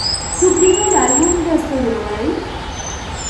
Su primer álbum de estudio Ready?